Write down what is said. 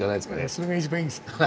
それが一番いいです。